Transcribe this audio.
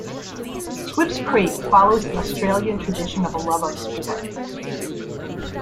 Swifts Creek follows the Australian tradition of a love of sport.